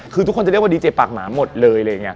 คือทุกคนจะเรียกว่าดีเจปากหมาหมดเลย